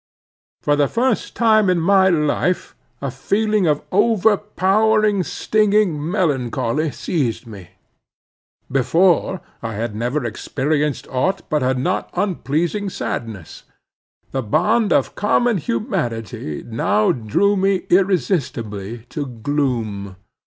For the first time in my life a feeling of overpowering stinging melancholy seized me. Before, I had never experienced aught but a not unpleasing sadness. The bond of a common humanity now drew me irresistibly to gloom.